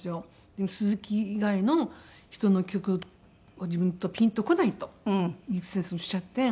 「でも鈴木以外の人の曲自分とピンとこない」と悠木先生おっしゃって。